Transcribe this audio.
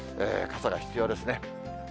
傘が必要ですね。